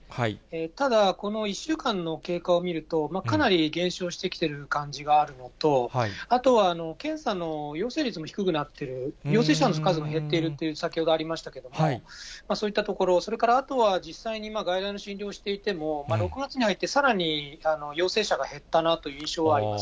ただこの１週間の経過を見ると、かなり減少してきている感じがあるのと、あとは検査の陽性率も低くなっている、陽性者の数も減っているという、先ほどもありましたけれども、そういったところ、それからあとは、実際に外来の診療をしていても、６月に入ってさらに陽性者が減ったなという印象はあります。